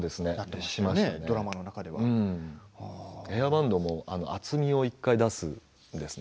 ヘアバンドも厚みを１回出すんですね。